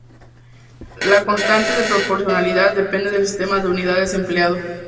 La constante de proporcionalidad depende del sistema de unidades empleado.